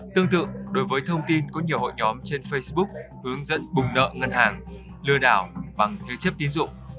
tương tự đối với thông tin có nhiều hội nhóm trên facebook hướng dẫn bùng nợ ngân hàng lừa đảo bằng thế chấp tín dụng